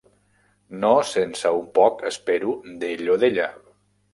"No sense un poc, espero, d'ell o d'ella".